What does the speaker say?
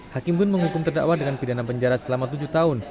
hakim pun menghukum terdakwa dengan pidana penjara selama tujuh tahun